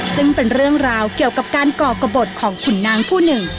ซึ่งเป็นเรื่องราวเกี่ยวกับการก่อกระบดของขุนนางผู้หนึ่ง